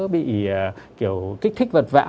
bị kiểu kích thích vật vã